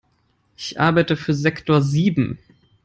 Ich arbeite für Sektor sieben.